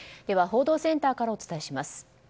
報道センターからお伝えします。